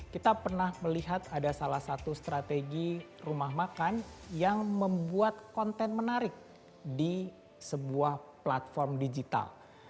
kita pernah melihat ada salah satu strategi rumah makan yang membuat konten menarik di sebuah platform digital